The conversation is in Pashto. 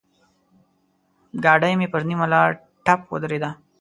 ګاډی مې پر نيمه لاره ټپ ودرېد.